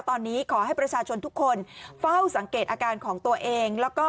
ตอนนี้ขอให้ประชาชนทุกคนเฝ้าสังเกตอาการของตัวเองแล้วก็